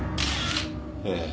ええ。